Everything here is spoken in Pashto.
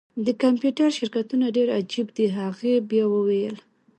د کمپیوټر شرکتونه ډیر عجیب دي هغې بیا وویل